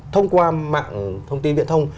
thông qua mạng thông tin viện thông